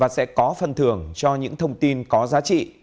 sẽ có phần thưởng cho những thông tin có giá trị